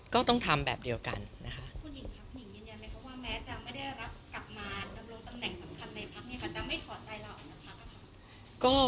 ก็ต้องทำแบบเดียวกันนะคะ